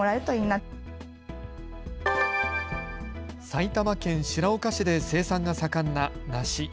埼玉県白岡市で生産が盛んな梨。